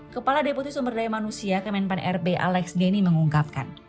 kepala deputi sumberdaya manusia kemenpan r b alex denny mengungkapkan